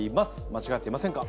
間違っていませんか？